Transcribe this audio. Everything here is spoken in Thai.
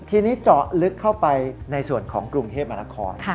ทีนี้เจาะลึกเข้าไปในส่วนของกรุงเทพมหานคร